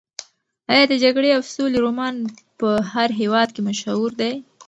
ایا د جګړې او سولې رومان په هر هېواد کې مشهور دی؟